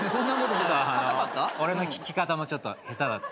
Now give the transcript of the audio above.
俺の聞き方もちょっと下手だった。